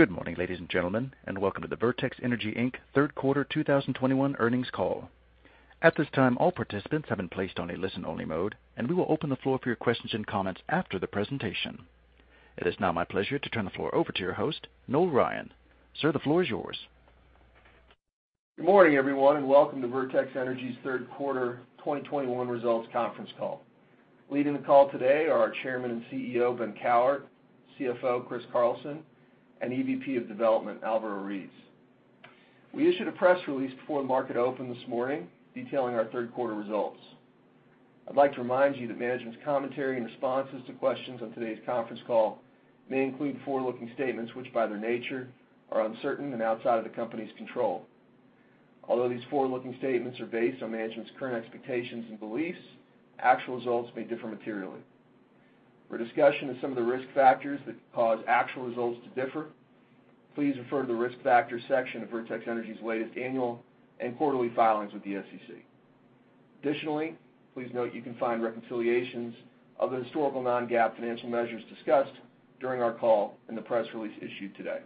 Good morning, ladies and gentlemen, and welcome to the Vertex Energy, Inc. third quarter 2021 earnings call. At this time, all participants have been placed on a listen-only mode, and we will open the floor for your questions and comments after the presentation. It is now my pleasure to turn the floor over to your host, Noel Ryan. Sir, the floor is yours. Good morning, everyone, and welcome to Vertex Energy's third quarter 2021 results conference call. Leading the call today are our Chairman and CEO Ben Cowart, CFO Chris Carlson, and EVP of Development Alvaro Ruiz. We issued a press release before the market opened this morning detailing our third quarter results. I'd like to remind you that management's commentary and responses to questions on today's conference call may include forward-looking statements which, by their nature, are uncertain and outside of the company's control. Although these forward-looking statements are based on management's current expectations and beliefs, actual results may differ materially. For a discussion of some of the risk factors that could cause actual results to differ, please refer to the Risk Factors section of Vertex Energy's latest annual and quarterly filings with the SEC. Additionally, please note you can find reconciliations of the historical non-GAAP financial measures discussed during our call in the press release issued today.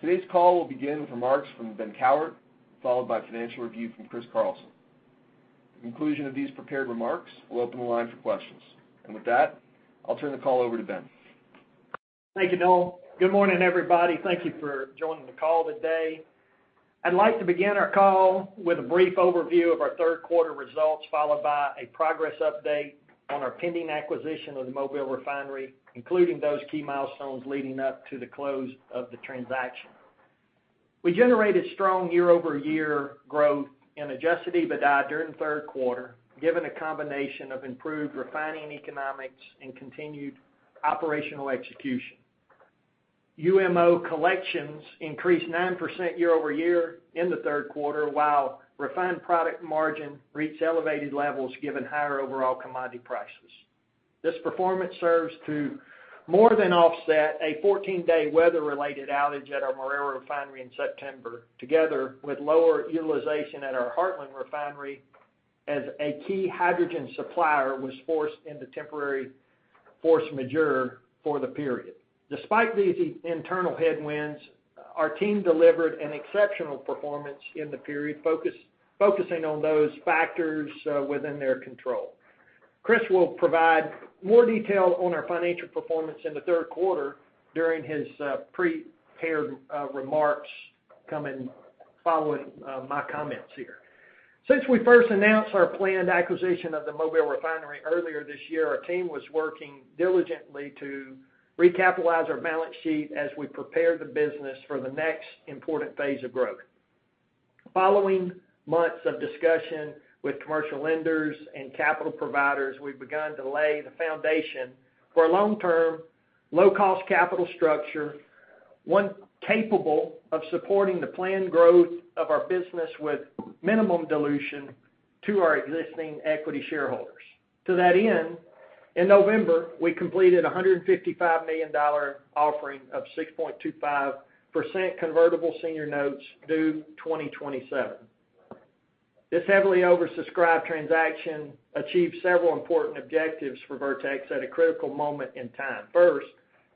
Today's call will begin with remarks from Ben Cowart, followed by a financial review from Chris Carlson. At the conclusion of these prepared remarks, we'll open the line for questions. With that, I'll turn the call over to Ben. Thank you, Noel. Good morning, everybody. Thank you for joining the call today. I'd like to begin our call with a brief overview of our third quarter results, followed by a progress update on our pending acquisition of the Mobile Refinery, including those key milestones leading up to the close of the transaction. We generated strong year-over-year growth in adjusted EBITDA during the third quarter, given a combination of improved refining economics and continued operational execution. UMO collections increased 9% year-over-year in the third quarter, while refined product margin reached elevated levels given higher overall commodity prices. This performance serves to more than offset a 14-day weather-related outage at our Marrero Refinery in September, together with lower utilization at our Heartland Refinery as a key hydrogen supplier was forced into temporary force majeure for the period. Despite these internal headwinds, our team delivered an exceptional performance in the period, focusing on those factors within their control. Chris will provide more detail on our financial performance in the third quarter during his prepared remarks following my comments here. Since we first announced our planned acquisition of the Mobile Refinery earlier this year, our team was working diligently to recapitalize our balance sheet as we prepared the business for the next important phase of growth. Following months of discussion with commercial lenders and capital providers, we've begun to lay the foundation for a long-term, low-cost capital structure, one capable of supporting the planned growth of our business with minimum dilution to our existing equity shareholders. To that end, in November, we completed a $155 million offering of 6.25% convertible senior notes due 2027. This heavily oversubscribed transaction achieved several important objectives for Vertex at a critical moment in time. First,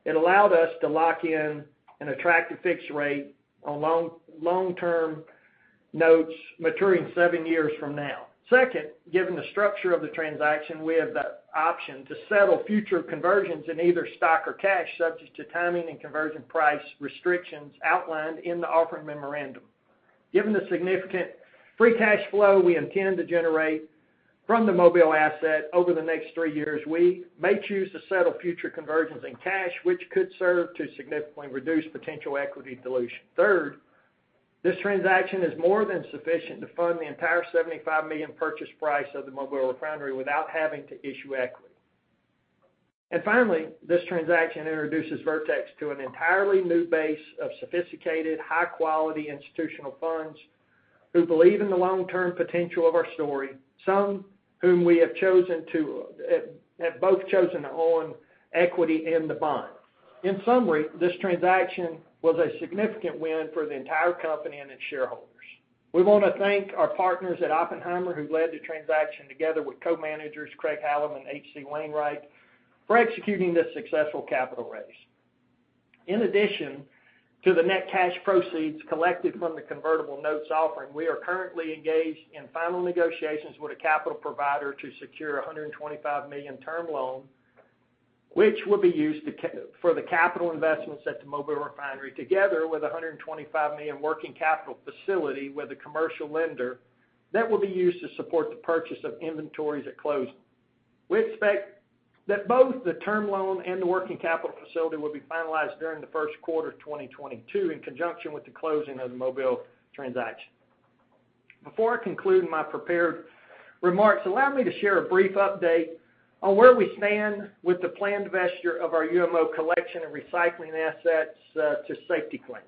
it allowed us to lock in an attractive fixed rate on long-term notes maturing seven years from now. Second, given the structure of the transaction, we have the option to settle future conversions in either stock or cash, subject to timing and conversion price restrictions outlined in the offering memorandum. Given the significant free cash flow we intend to generate from the Mobile Asset over the next three years, we may choose to settle future conversions in cash, which could serve to significantly reduce potential equity dilution. Third, this transaction is more than sufficient to fund the entire $75 million purchase price of the Mobile Refinery without having to issue equity. Finally, this transaction introduces Vertex to an entirely new base of sophisticated, high-quality institutional funds who believe in the long-term potential of our story, some whom we have both chosen to own equity in the bond. In summary, this transaction was a significant win for the entire company and its shareholders. We wanna thank our partners at Oppenheimer who led the transaction together with co-managers Craig-Hallum and H.C. Wainwright for executing this successful capital raise. In addition to the net cash proceeds collected from the convertible notes offering, we are currently engaged in final negotiations with a capital provider to secure a $125 million term loan, which will be used for the capital investments at the Mobile Refinery, together with a $125 million working capital facility with a commercial lender that will be used to support the purchase of inventories at closing. We expect that both the Term Loan and the working capital facility will be finalized during the first quarter of 2022, in conjunction with the closing of the Mobile Transaction. Before I conclude my prepared remarks, allow me to share a brief update on where we stand with the planned divestiture of our UMO collection and recycling assets to Safety-Kleen.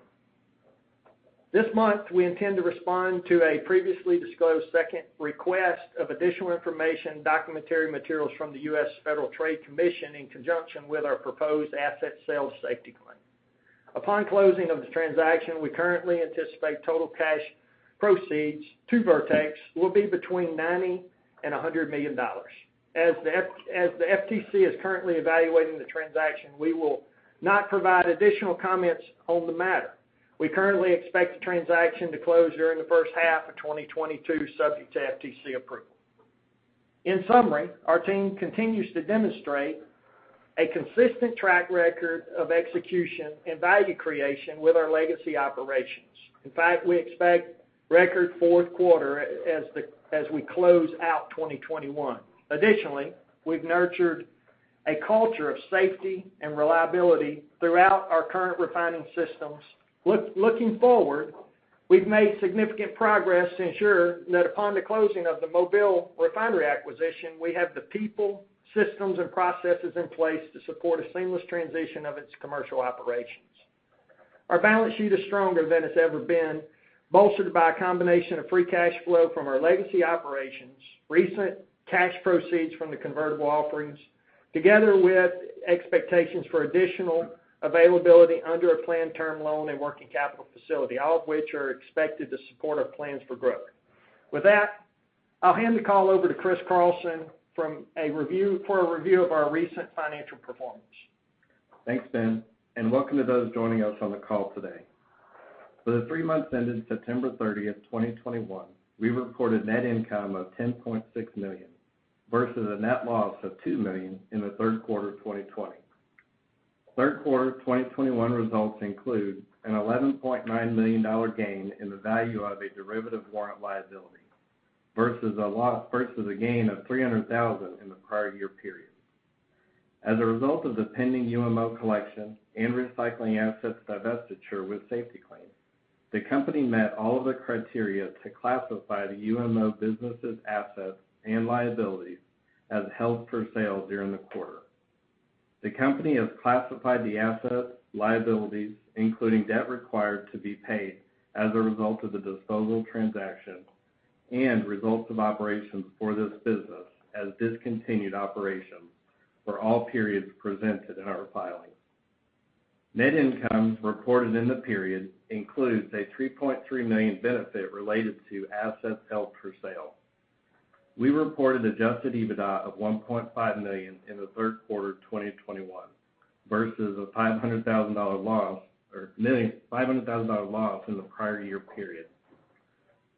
This month, we intend to respond to a previously disclosed second request of additional information and documentary materials from the U.S. Federal Trade Commission in conjunction with our proposed asset sales to Safety-Kleen. Upon closing of this transaction, we currently anticipate total cash proceeds to Vertex will be between $90 million and $100 million. As the FTC is currently evaluating the transaction, we will not provide additional comments on the matter. We currently expect the transaction to close during the first half of 2022, subject to FTC approval. In summary, our team continues to demonstrate a consistent track record of execution and value creation with our legacy operations. In fact, we expect record fourth quarter as we close out 2021. Additionally, we've nurtured a culture of safety and reliability throughout our current refining systems. Looking forward, we've made significant progress to ensure that upon the closing of the Mobile Refinery acquisition, we have the people, systems and processes in place to support a seamless transition of its commercial operations. Our balance sheet is stronger than it's ever been, bolstered by a combination of free cash flow from our legacy operations, recent cash proceeds from the convertible offerings, together with expectations for additional availability under a planned term loan and working capital facility, all of which are expected to support our plans for growth. With that, I'll hand the call over to Chris Carlson for a review of our recent financial performance. Thanks, Ben, and welcome to those joining us on the call today. For the three months ending September 30th 2021, we reported net income of $10.6 million, versus a net loss of $2 million in the third quarter of 2020. Third quarter of 2021 results include an $11.9 million gain in the value of a derivative warrant liability versus a gain of $300,000 in the prior year period. As a result of the pending UMO collection and recycling assets divestiture with Safety-Kleen, the company met all of the criteria to classify the UMO business' assets and liabilities as held for sale during the quarter. The company has classified the assets, liabilities, including debt required to be paid as a result of the disposal transaction and results of operations for this business as discontinued operations for all periods presented in our filings. Net incomes reported in the period includes a $3.3 million benefit related to assets held for sale. We reported adjusted EBITDA of $1.5 million in the third quarter of 2021 versus a $500,000 loss in the prior year period.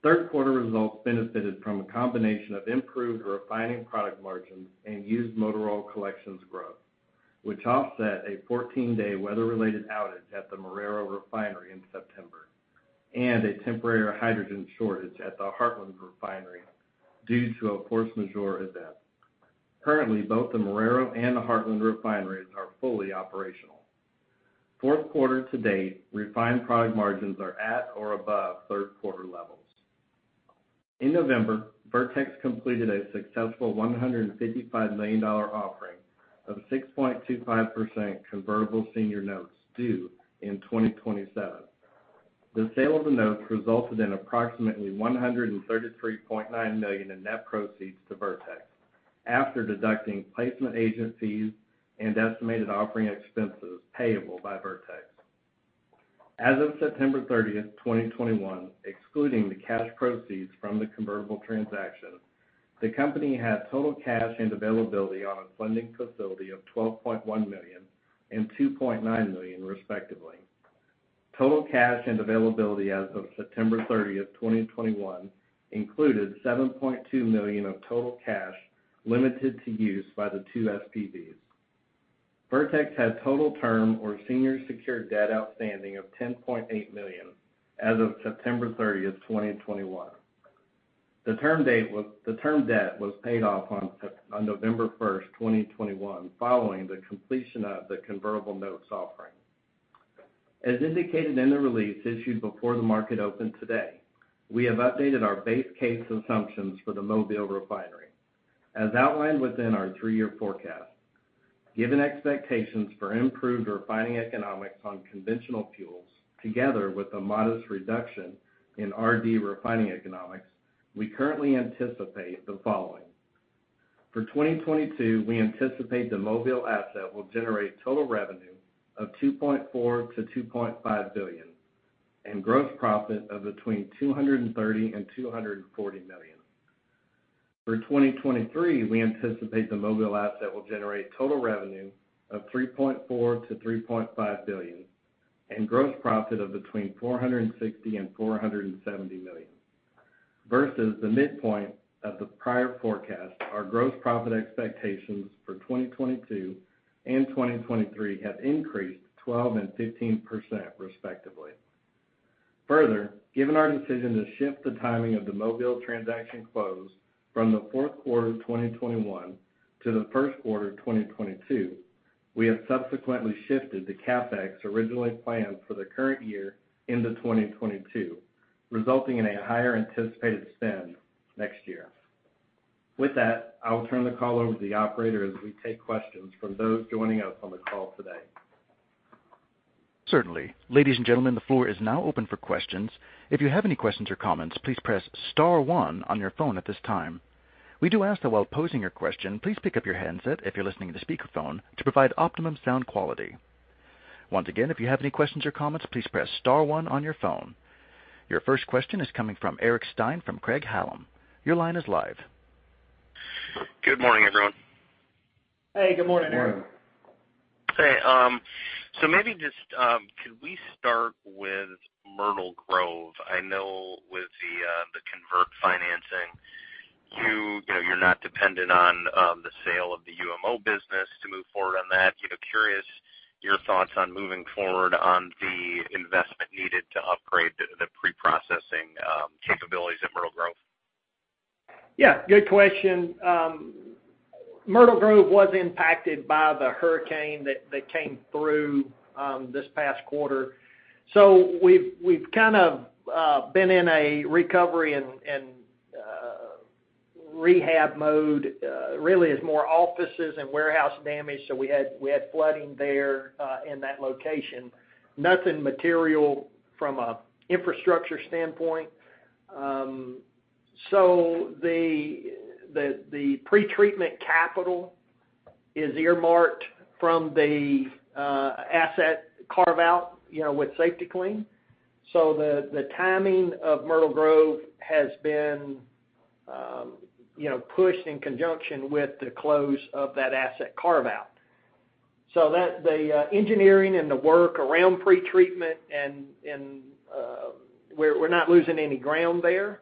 Third quarter results benefited from a combination of improved refining product margins and used motor oil collections growth, which offset a 14-day weather-related outage at the Marrero Refinery in September and a temporary hydrogen shortage at the Heartland Refinery due to a force majeure event. Currently, both the Marrero and the Heartland Refineries are fully operational. Fourth quarter-to-date, refined product margins are at or above third quarter levels. In November, Vertex completed a successful $155 million offering of 6.25% Convertible Senior Notes due in 2027. The sale of the notes resulted in approximately $133.9 million in net proceeds to Vertex after deducting placement agent fees and estimated offering expenses payable by Vertex. As of September 30th 2021, excluding the cash proceeds from the convertible transaction, the company had total cash and availability on a funding facility of $12.1 million and $2.9 million, respectively. Total cash and availability as of September 30th 2021 included $7.2 million of total cash limited to use by the two SPVs. Vertex had total term or senior secured debt outstanding of $10.8 million as of September 30, 2021. The term-debt was paid off on November 1st 2021, following the completion of the convertible notes offering. As indicated in the release issued before the market opened today, we have updated our base case assumptions for the Mobile Refinery. As outlined within our three-year forecast, given expectations for improved refining economics on conventional fuels, together with a modest reduction in RD refining economics, we currently anticipate the following. For 2022, we anticipate the Mobile asset will generate total revenue of $2.4 billion-$2.5 billion and gross profit of between $230 million and $240 million. For 2023, we anticipate the Mobile asset will generate total revenue of $3.4 billion-$3.5 billion and gross profit of between $460 million and $470 million. Versus the midpoint of the prior forecast, our gross profit expectations for 2022 and 2023 have increased 12% and 15%, respectively. Further, given our decision to shift the timing of the Mobile transaction close from the fourth quarter of 2021 to the first quarter of 2022, we have subsequently shifted the CapEx originally planned for the current year into 2022, resulting in a higher anticipated spend next year. With that, I will turn the call over to the operator as we take questions from those joining us on the call today. Certainly. Ladies and gentlemen, the floor is now open for questions. If you have any questions or comments, please press star one on your phone at this time. We do ask that while posing your question, please pick up your handset if you're listening to speakerphone to provide optimum sound quality. Once again, if you have any questions or comments, please press star one on your phone. Your first question is coming from Eric Stine from Craig-Hallum. Your line is live. Good morning, everyone. Hey, good morning, Eric. Maybe just, could we start with Myrtle Grove? I know with the convertible financing, you know, you're not dependent on the sale of the UMO business to move forward on that. You know, curious your thoughts on moving forward on the investment needed to upgrade the preprocessing capabilities at Myrtle Grove. Yeah, good question. Myrtle Grove was impacted by the hurricane that came through this past quarter. We've kind of been in a recovery and rehab mode, really from more offices and warehouse damage. We had flooding there in that location. Nothing material from an infrastructure standpoint. The pretreatment capital is earmarked from the asset carve out, you know, with Safety-Kleen. The timing of Myrtle Grove has been pushed in conjunction with the close of that asset carve out. The engineering and the work around pretreatment and we're not losing any ground there.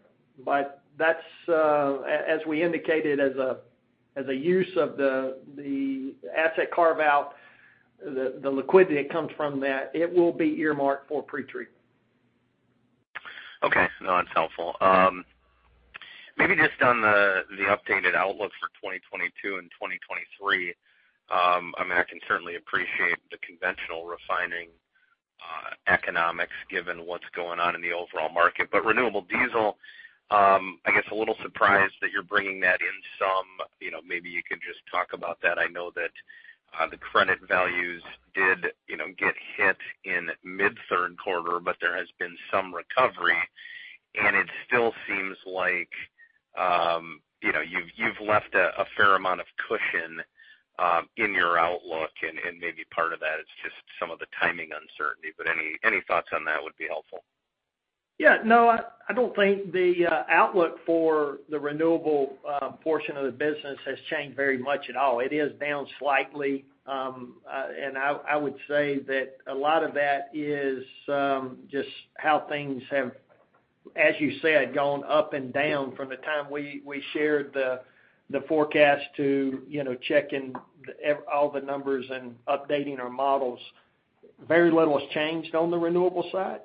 That's as we indicated, as a use of the asset carve out, the liquidity that comes from that, it will be earmarked for pre-treat. Okay. No, that's helpful. Maybe just on the updated outlook for 2022 and 2023. I mean, I can certainly appreciate the conventional refining economics given what's going on in the overall market. Renewable diesel, I guess I'm a little surprised that you're bringing that in some. You know, maybe you can just talk about that. I know that the credit values did, you know, get hit in mid third quarter, but there has been some recovery, and it still seems like, you know, you've left a fair amount of cushion in your outlook, and maybe part of that is just some of the timing uncertainty. Any thoughts on that would be helpful. Yeah, no, I don't think the outlook for the renewable portion of the business has changed very much at all. It is down slightly, and I would say that a lot of that is just how things have, as you said, gone up and down from the time we shared the forecast to, you know, checking all the numbers and updating our models. Very little has changed on the renewable side,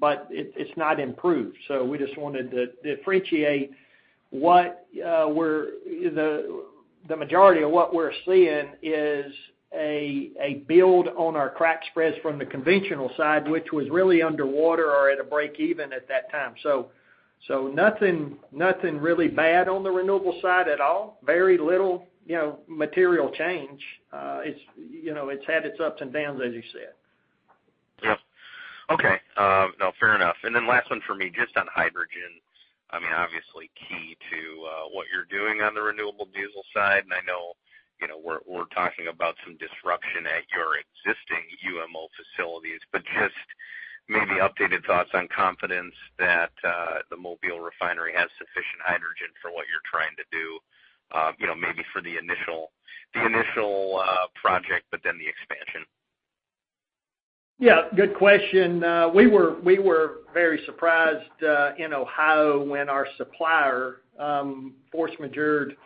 but it's not improved. We just wanted to differentiate the majority of what we're seeing is a build on our crack spreads from the conventional side, which was really underwater or at a break even at that time. Nothing really bad on the renewable side at all. Very little, you know, material change. You know, it's had its ups and downs, as you said. Yep. Okay. No, fair enough. Last one for me, just on hydrogen. I mean, obviously key to what you're doing on the renewable diesel side, and I know, you know, we're talking about some disruption at your existing UMO facilities, but just maybe updated thoughts on confidence that the Mobile Refinery has sufficient hydrogen for what you're trying to do, you know, maybe for the initial project, but then the expansion? Yeah, good question. We were very surprised in Ohio when our supplier force majeure'd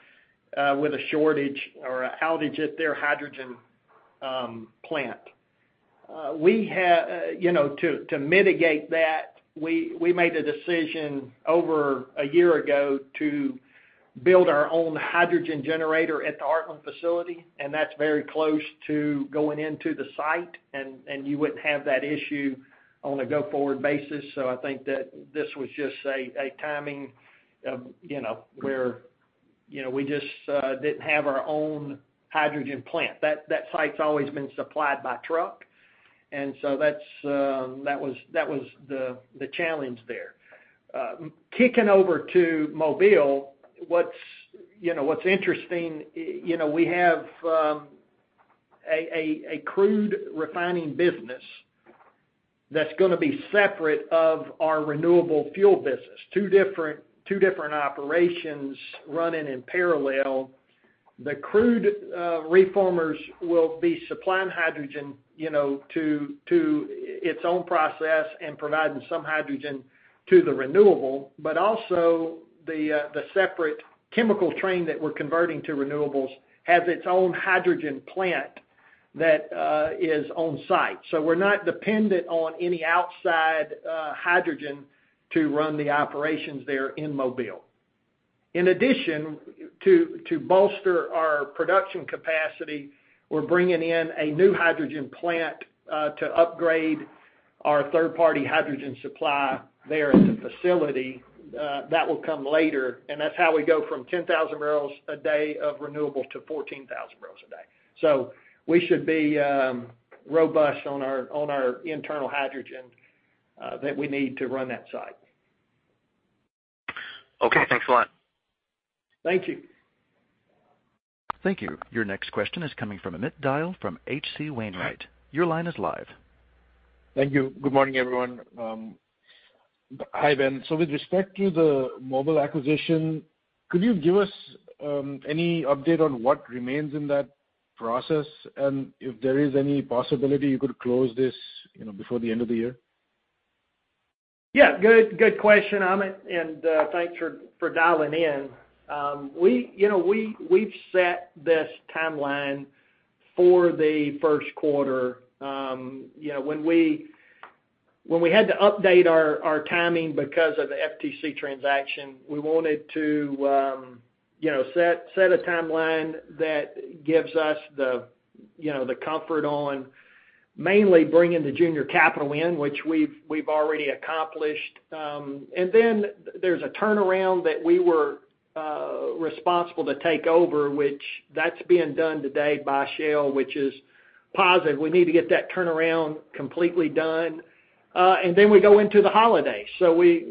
with a shortage or an outage at their hydrogen plant. You know, to mitigate that, we made a decision over a year ago to build our own hydrogen generator at the Heartland facility, and that's very close to going into service and you wouldn't have that issue on a go-forward basis. I think that this was just a timing of, you know, where, you know, we just didn't have our own hydrogen plant. That site's always been supplied by truck, and so that's that was the challenge there. Kicking over to Mobile, you know, what's interesting, you know, we have a crude refining business that's gonna be separate of our renewable fuel business. Two different operations running in parallel. The crude reformers will be supplying hydrogen, you know, to its own process and providing some hydrogen to the renewable, but also the separate chemical train that we're converting to renewables has its own hydrogen plant that is on site. So we're not dependent on any outside hydrogen to run the operations there in Mobile. In addition to bolster our production capacity, we're bringing in a new hydrogen plant to upgrade our third-party hydrogen supply there at the facility. That will come later, and that's how we go from 10,000 bpd of renewable to 14,000 bpd. We should be robust on our internal hydrogen that we need to run that site. Okay, thanks a lot. Thank you. Thank you. Your next question is coming from Amit Dayal from H.C. Wainwright. Your line is live. Thank you. Good morning, everyone. Hi, Ben. With respect to the mobile acquisition, could you give us any update on what remains in that process, and if there is any possibility you could close this, you know, before the end of the year? Yeah, good question, Amit, and thanks for dialing in. We know, we've set this timeline for the first quarter. You know, when we had to update our timing because of the FTC transaction, we wanted to, you know, set a timeline that gives us the, you know, the comfort on mainly bringing the junior capital in which we've already accomplished. And then there's a turnaround that we were responsible to take over, which that's being done today by Shell, which is positive. We need to get that turnaround completely done. And then we go into the holidays. We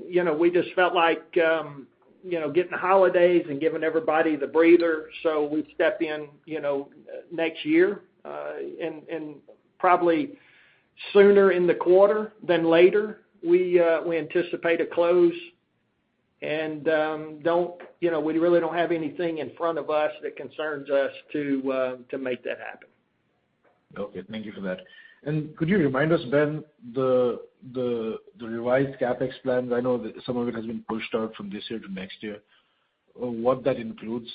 just felt like, you know, getting the holidays and giving everybody the breather. We'd step in, you know, next year, and probably sooner in the quarter than later. We anticipate a close. You know, we really don't have anything in front of us that concerns us to make that happen. Okay. Thank you for that. Could you remind us, Ben, the revised CapEx plans? I know that some of it has been pushed out from this year to next year. What that includes?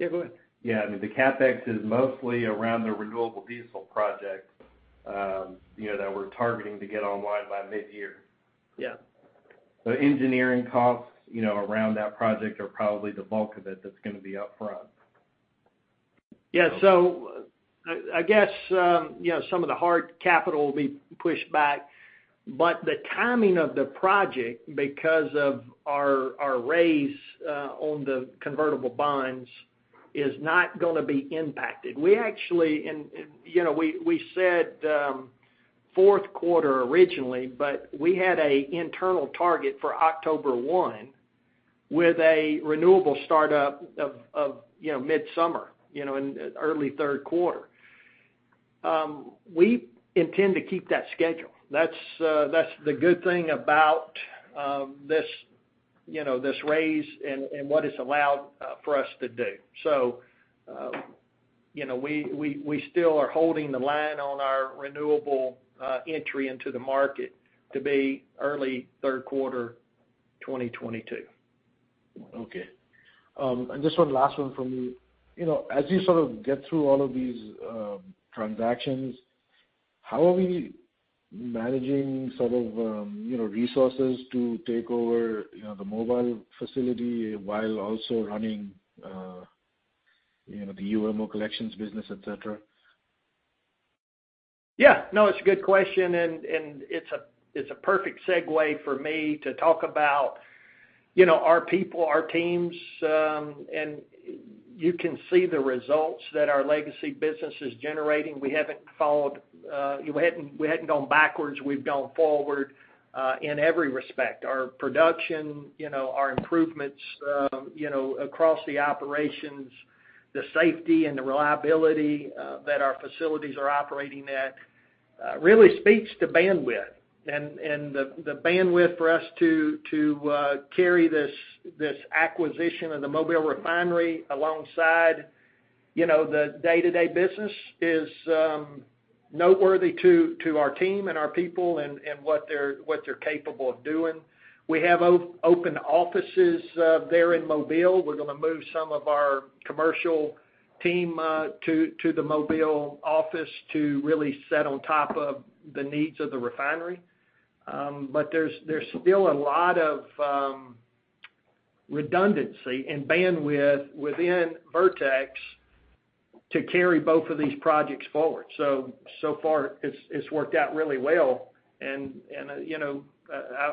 Yeah, go ahead. Yeah. I mean, the CapEx is mostly around the renewable diesel project, you know, that we're targeting to get online by mid-year. Yeah. Engineering costs, you know, around that project are probably the bulk of it that's gonna be upfront. I guess, you know, some of the hard capital will be pushed back, but the timing of the project, because of our raise on the convertible bonds, is not gonna be impacted. We actually you know, we said fourth quarter originally, but we had an internal target for October 1 with a renewable startup of you know, midsummer you know, in early third quarter. We intend to keep that schedule. That's the good thing about this you know, this raise and what it's allowed for us to do. You know, we still are holding the line on our renewable entry into the market to be early third quarter, 2022. Okay. Just one last one for me. You know, as you sort of get through all of these transactions, how are we managing sort of, you know, resources to take over, you know, the mobile facility while also running, you know, the UMO collections business, et cetera? Yeah. No, it's a good question, and it's a perfect segue for me to talk about, you know, our people, our teams, and you can see the results that our legacy business is generating. We hadn't gone backwards. We've gone forward in every respect. Our production, you know, our improvements, you know, across the operations, the safety and the reliability that our facilities are operating at really speaks to bandwidth. The bandwidth for us to carry this acquisition and the Mobile refinery alongside, you know, the day-to-day business is noteworthy to our team and our people and what they're capable of doing. We have open offices there in Mobile. We're gonna move some of our commercial team to the Mobile office to really sit on top of the needs of the refinery. But there's still a lot of redundancy and bandwidth within Vertex to carry both of these projects forward. So far it's worked out really well. You know,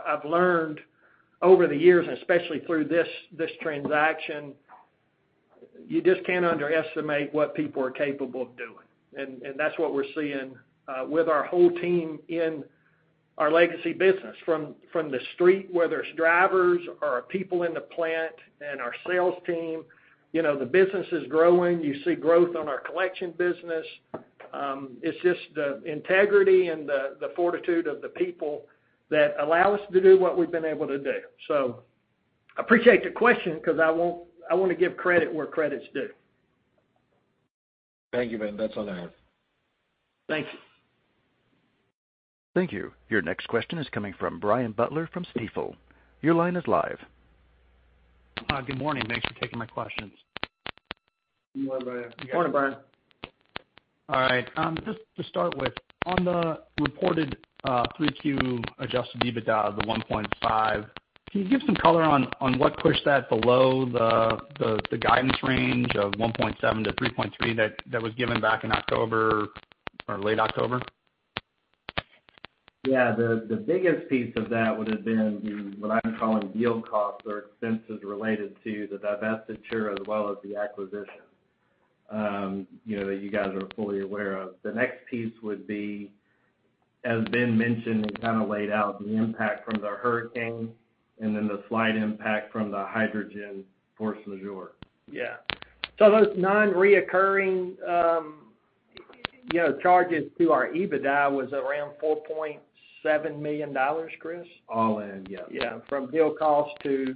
I've learned over the years, and especially through this transaction, you just can't underestimate what people are capable of doing. That's what we're seeing with our whole team in our legacy business from the street, whether it's drivers or our people in the plant and our sales team. You know, the business is growing. You see growth on our collection business. It's just the integrity and the fortitude of the people that allow us to do what we've been able to do. I appreciate the question 'cause I want, I wanna give credit where credit's due. Thank you, Ben. That's all I have. Thank you. Thank you. Your next question is coming from Brian Butler from Stifel. Your line is live. Good morning. Thanks for taking my questions. Good morning, Brian. Morning, Brian. All right. Just to start with, on the reported 3Q adjusted EBITDA, the 1.5 MMbbl, can you give some color on what pushed that below the guidance range of 1.7 MMbbl-3.3 MMbbl that was given back in October or late October? Yeah. The biggest piece of that would have been the what I'm calling deal costs or expenses related to the divestiture as well as the acquisition, you know, that you guys are fully aware of. The next piece would be, as Ben mentioned and kind of laid out, the impact from the hurricane and then the slight impact from the hydrogen force majeure. Yeah. Those non-recurring, you know, charges to our EBITDA was around $4.7 million, Chris? All in, yeah. Yeah. From deal costs to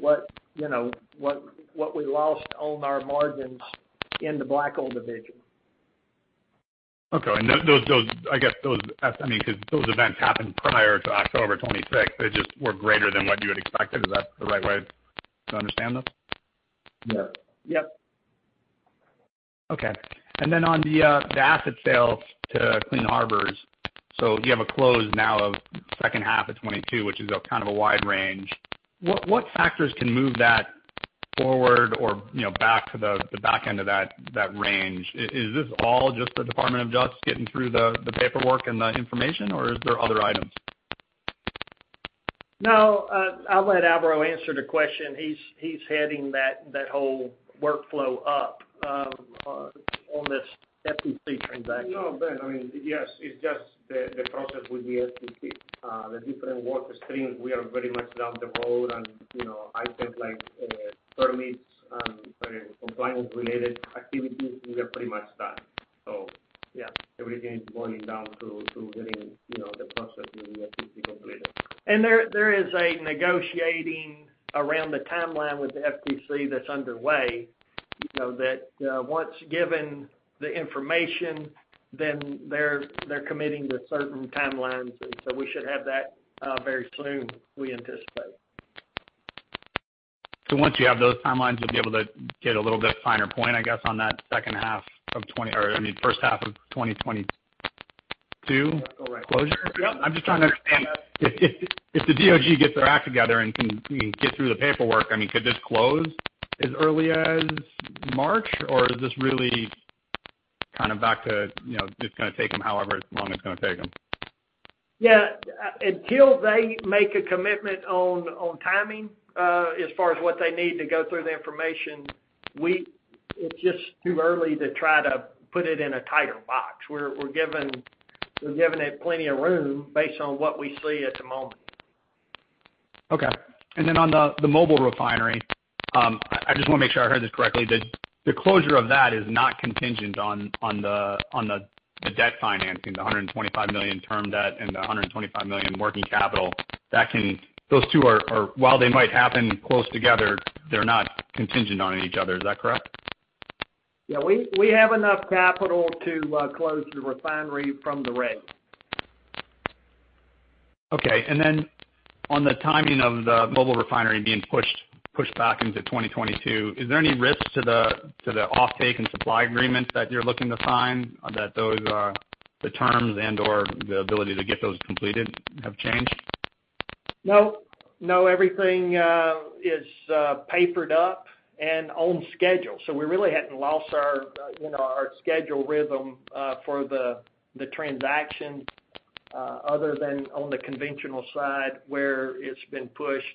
what, you know, we lost on our margins in the black oil division. Okay. Those, I mean, 'cause those events happened prior to October 26th, they just were greater than what you had expected. Is that the right way to understand this? Yeah. Yep. Okay. On the asset sale to Clean Harbors. You have a closing now of second half of 2022, which is kind of a wide range. What factors can move that forward or, you know, back to the back end of that range? Is this all just the Department of Justice getting through the paperwork and the information, or is there other items? No. I'll let Alvaro answer the question. He's heading that whole workflow up on this FTC transaction. No, Ben, I mean, yes, it's just the process with the FTC. The different work streams, we are very much down the road and, you know, items like permits and, I mean, compliance related activities, we are pretty much done. Yeah, everything is boiling down to getting, you know, the process with the FTC completed. There is a negotiation around the timeline with the FTC that's underway. You know, that once given the information, then they're committing to certain timelines. We should have that very soon, we anticipate. Once you have those timelines, you'll be able to get a little bit finer point, I guess, on that, I mean, first half of 2022 closure? Yep. I'm just trying to understand. If the DOJ get their act together and can, you know, get through the paperwork, I mean, could this close as early as March, or is this really kind of back to, you know, it's gonna take them however long it's gonna take them? Yeah. Until they make a commitment on timing, as far as what they need to go through the information, it's just too early to try to put it in a tighter box. We're giving it plenty of room based on what we see at the moment. Okay. Then on the mobile refinery, I just wanna make sure I heard this correctly. The closure of that is not contingent on the debt financing, the $125 million term-debt and the $125 million working capital. Those two are while they might happen close together, they're not contingent on each other. Is that correct? Yeah. We have enough capital to close the refinery from the rig. Okay. On the timing of the mobile refinery being pushed back into 2022, is there any risk to the offtake and supply agreements that you're looking to sign, that those are the terms and/or the ability to get those completed have changed? No, everything is papered up and on schedule. We really hadn't lost our, you know, our schedule rhythm for the transaction other than on the conventional side where it's been pushed.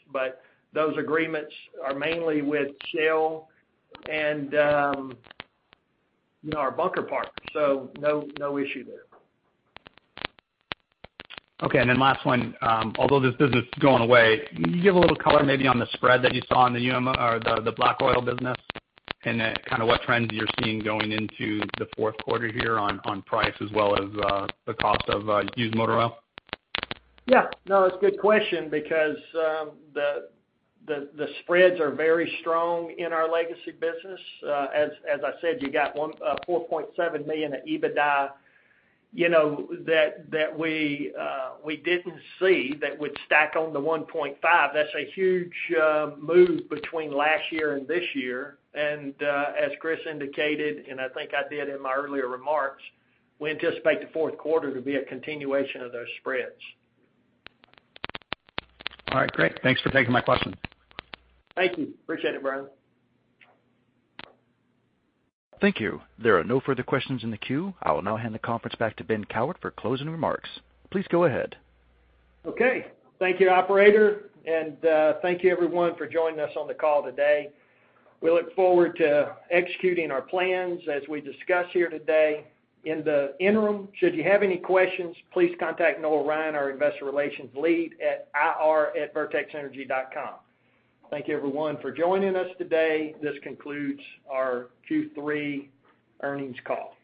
Those agreements are mainly with Shell and, you know, our bunker partner, so no issue there. Okay. Last one. Although this business is going away, can you give a little color maybe on the spread that you saw in the black oil business and kind of what trends you're seeing going into the fourth quarter here on price as well as the cost of used motor oil? Yeah. No, it's a good question because the spreads are very strong in our legacy business. As I said, you got a $4.7 million EBITDA, you know, that we didn't see that would stack on the $1.5. That's a huge move between last year and this year. As Chris indicated, and I think I did in my earlier remarks, we anticipate the fourth quarter to be a continuation of those spreads. All right, great. Thanks for taking my question. Thank you. Appreciate it, Brian. Thank you. There are no further questions in the queue. I will now hand the conference back to Ben Cowart for closing remarks. Please go ahead. Okay. Thank you, operator, and thank you everyone for joining us on the call today. We look forward to executing our plans as we discuss here today. In the interim, should you have any questions, please contact Noel Ryan, our investor relations lead, at ir@vertexenergy.com. Thank you everyone for joining us today. This concludes our Q3 earnings call.